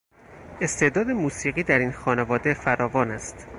استعداد موسیقی در این خانواده فراوان است.